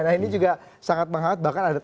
nah ini juga sangat menghangat bahkan ada